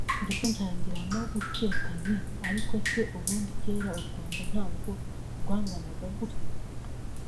ndetse ntangira no gukeka nti ariko se ubundi kera u Rwanda ntabwo rwanganaga gutya